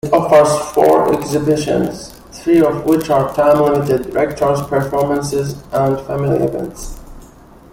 It offers four exhibitions, three of which are time-limited; lectures; performances; and family events.